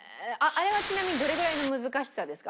あれはちなみにどれぐらいの難しさですか？